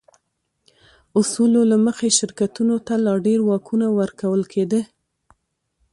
اصولو له مخې شرکتونو ته لا ډېر واکونه ورکول کېده.